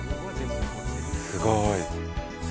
すごい。